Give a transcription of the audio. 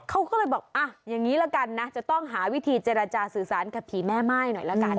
เขาก็เลยบอกอ่ะอย่างนี้ละกันนะจะต้องหาวิธีเจรจาสื่อสารกับผีแม่ม่ายหน่อยละกัน